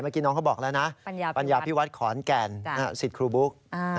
เมื่อกี้น้องเขาบอกแล้วนะปัญญาพิวัฒน์ขอนแก่นสิทธิ์ครูบุ๊ก